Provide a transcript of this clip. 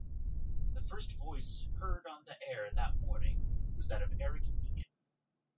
The first voice heard on the air that morning was that of Eric Egan.